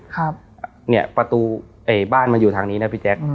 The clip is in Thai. ครับเนี่ยประตูไอ้บ้านมันอยู่ทางนี้นะพี่แจ๊ค